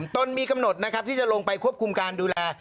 ตนมีกำหนดนะครับที่จะลงไปควบคุมการดูแล